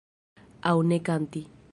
Aŭ ne kanti.